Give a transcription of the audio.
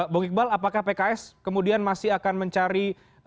bang iqbal apakah pks kemudian masih akan mencari